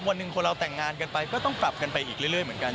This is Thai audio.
วันหนึ่งคนเราแต่งงานกันไปก็ต้องปรับกันไปอีกเรื่อยเหมือนกัน